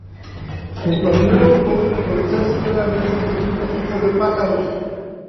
Junto al muro pueden reconocerse claramente distintos tipos de pájaros.